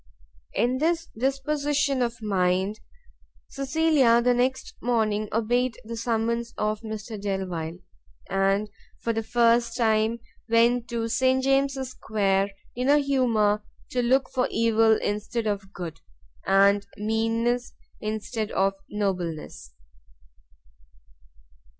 In this disposition of mind Cecilia the next morning obeyed the summons of Mr Delvile, and for the first time went to St James' square in a humour to look for evil instead of good, and meanness instead of nobleness.